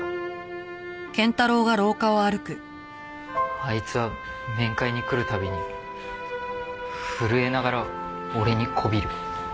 あいつは面会に来る度に震えながら俺にこびる。